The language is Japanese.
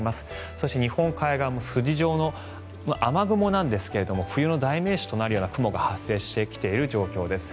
そして、日本海側も筋状の雨雲なんですけれど冬の代名詞となるような雲が発生してきている状況です。